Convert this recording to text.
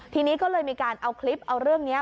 ทีนี้ก็เลยมีการเอาคลิปเอาเรื่องนี้